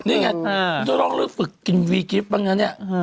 นี่ไงอยู่ร้องฝึกกินวีกิฟต์บ้างเนี่ย